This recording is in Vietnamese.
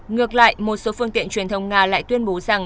ngược lại một số phương tiện truyền thông nga lại tuyên bố rằng